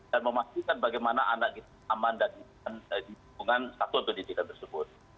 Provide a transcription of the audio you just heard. dan memastikan bagaimana anak kita aman dan di lingkungan satuan pendidikan tersebut